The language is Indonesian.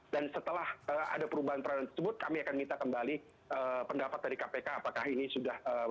dan setelah ada perubahan tersebut kami akan minta kembali pendapat dari kpk apakah ini sudah